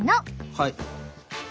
はい。